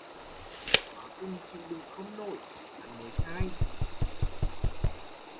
Quá cùng chịu đựng không nổi, hắn mới khai